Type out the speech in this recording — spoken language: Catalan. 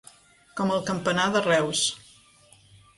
Com el campanar de Reus.